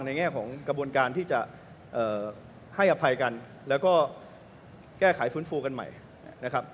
แง่ของกระบวนการที่จะให้อภัยกันแล้วก็แก้ไขฟื้นฟูกันใหม่นะครับ